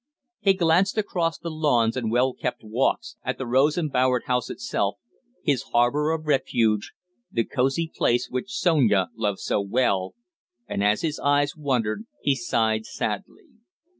He glanced across the lawns and well kept walks at the rose embowered house itself, his harbour of refuge, the cosy place which Sonia loved so well, and as his eyes wandered he sighed sadly.